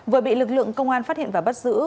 vừa bị lực lượng công an phát hiện và bắt giữ